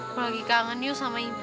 aku lagi kangen yuk sama ibu